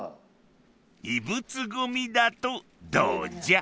異物ゴミだとどうじゃ？